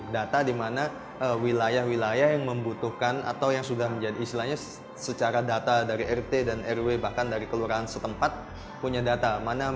data di mana wilayah wilayah yang membutuhkan atau yang sudah menjadi istilahnya secara data dari rt dan rw bahkan dari kelurahan setempat punya data